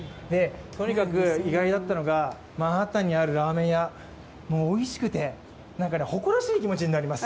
とにかく意外だったのが、マンハッタンにあるラーメン屋、もうおいしくて、誇らしい気持ちになります。